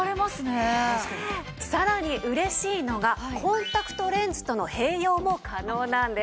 さらに嬉しいのがコンタクトレンズとの併用も可能なんです。